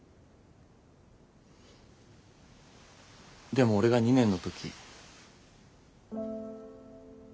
でも俺が２年の時。